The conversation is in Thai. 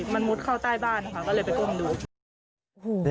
มันมดเข้าใต้บ้านก็เลยด้วยกลมดู